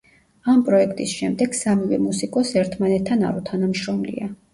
ამ პროექტის შემდეგ სამივე მუსიკოსს ერთმანეთთან არ უთანამშრომლია.